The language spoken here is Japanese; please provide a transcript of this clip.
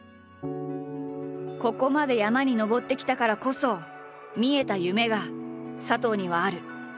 ここまで山に登ってきたからこそ見えた夢が佐藤にはある。